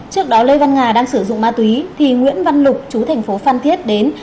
trước đó lê văn nga đang sử dụng ma túy thì nguyễn văn lục chú thành phố phan thiết đến